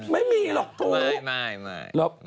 ไม่มีหรอกโทษ